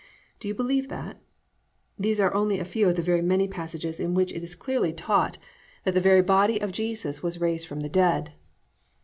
Do you believe that? These are only a few of the very many passages in which it is very clearly taught that the very body of Jesus was raised from the dead.